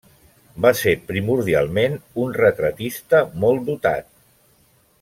Va ser primordialment un retratista molt dotat.